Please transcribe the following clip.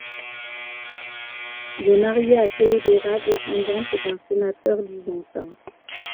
Il est marié à Théodora, descendante d'un sénateur byzantin.